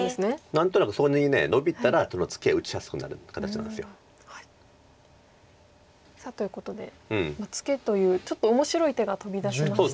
何となくそこにノビたらツケは打ちやすくなる形なんです。ということでツケというちょっと面白い手が飛び出しましたが。